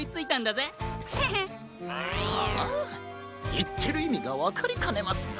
いってるいみがわかりかねますが。